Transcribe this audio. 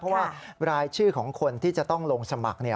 เพราะว่ารายชื่อของคนที่จะต้องลงสมัคร